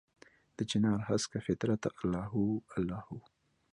دچنارهسکه فطرته الله هو، الله هو